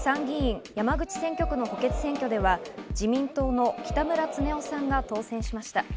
一方、参議院山口選挙区の補欠選挙では自民党の北村経夫さんが当選しました。